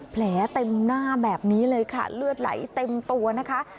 แผลเต็มหน้าแบบนี้เลยค่ะเลือดไหลเต็มตัวนะคะ